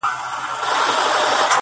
تش په نامه دغه ديدار وچاته څه وركوي~